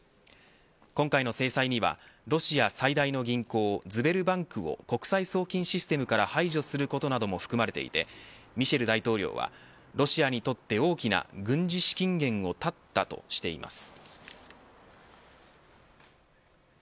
今回の制裁にはロシア最大の銀行ズベルバンクを国際送金システムから排除することなども含まれていてミシェル大統領はロシアにとって大きな軍事資金源を絶ったとしています。